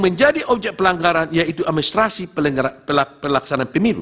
menjadi objek pelanggaran yaitu administrasi pelaksanaan pemilu